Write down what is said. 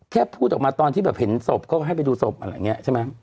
พูดออกมาตอนที่แบบเห็นศพเขาก็ให้ไปดูศพอะไรอย่างนี้ใช่ไหม